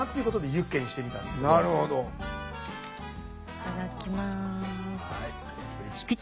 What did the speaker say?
いただきます。